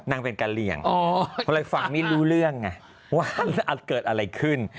นางเป็นกะเหลี่ยงก็เลยฟังไม่รู้เรื่องไงว่าเกิดอะไรขึ้น